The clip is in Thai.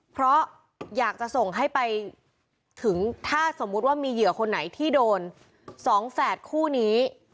เพราะอยากจะส่งให้ไปถึงถ้าสมมุติว่ามีเหยื่อคนไหนที่โดน๒แฝดคู่นี้